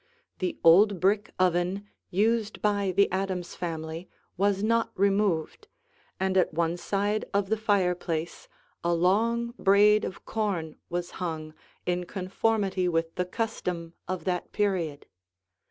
The old brick oven used by the Adams family was not removed, and at one side of the fireplace a long braid of corn was hung in conformity with the custom of that period.